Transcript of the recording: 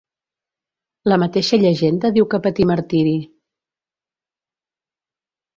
La mateixa llegenda diu que patí martiri.